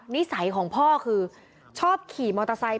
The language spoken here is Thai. นิสัยของพ่อคือชอบขี่มอเตอร์ไซค์